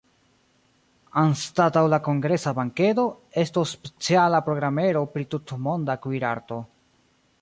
Anstataŭ la kongresa bankedo, estos speciala programero pri tutmonda kuir-arto.